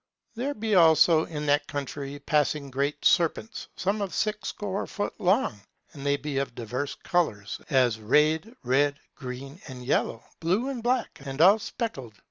There be also in that country passing great serpents, some of six score foot long, and they be of diverse colours, as rayed, red, green, and yellow, blue and black, and all speckled.